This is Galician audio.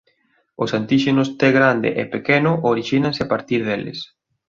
Os antíxenos T grande e pequeno orixínanse a partir deles.